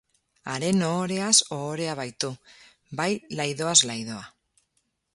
Haren ohoreaz ohorea baitu, bai laidoaz laidoa.